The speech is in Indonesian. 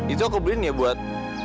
itu aku beliin ya buat